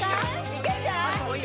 いけるんじゃない？